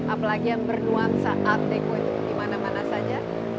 apalagi yang bernuansa art deko itu dimana mana saja